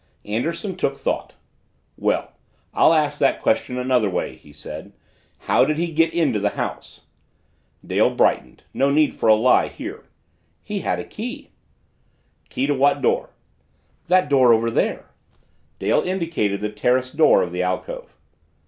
Anderson took thought. "Well, I'll ask that question another way," he said. "How did he get into the house?" Dale brightened no need for a lie here. "He had a key." "Key to what door?" "That door over there." Dale indicated the terrace door of the alcove.